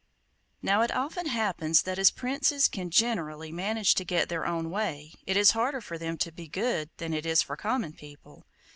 Now it often happens that as princes can generally manage to get their own way it is harder for them to be good than it is for common people.